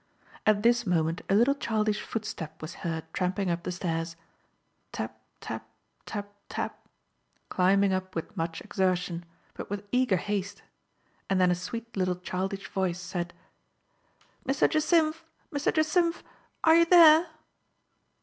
At this moment a little childish footstep was heard tramping up the stairs ; tap — tap — tap — tap, climbing up with much exertion, but with eager haste, and then a sweet little childish voice said, " Mr. Jacymf, Mr. Jacymf, are you there